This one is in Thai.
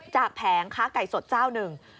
จากแผงค้าไก่สดเจ้านึง